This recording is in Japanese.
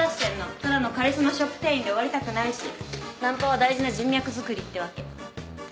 ただのカリスマショップ店員で終わりたくないしナンパは大事な人脈づくりってわけ。